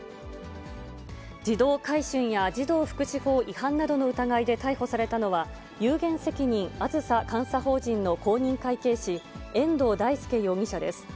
児童買春や児童福祉法違反などの疑いで逮捕されたのは、有限責任あずさ監査法人の公認会計士、延堂大輔容疑者です。